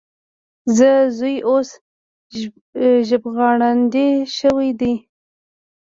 زما زوی اوس ژبغړاندی شوی دی.